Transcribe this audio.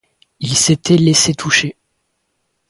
Il s'était laissé toucher.